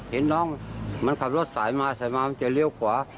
เห็นน้องมันขับรถสายมาสายมามันจะเลี้ยวขวา